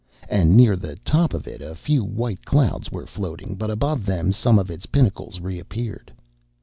And near the top of it a few white clouds were floating, but above them some of its pinnacles reappeared.